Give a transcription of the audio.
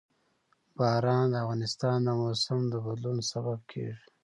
باران د افغانستان د موسم د بدلون سبب کېږي.